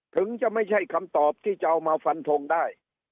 ถึงจะไม่ใช่คำตอบที่จะเอามาฟันทงได้